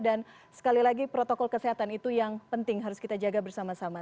dan sekali lagi protokol kesehatan itu yang penting harus kita jaga bersama sama